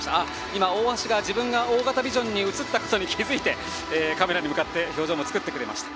今、大橋が自分が大型ビジョンに映ったことに気付いてカメラに向かって表情を作ってくれました。